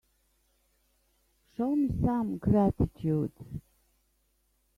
Show me some gratitude.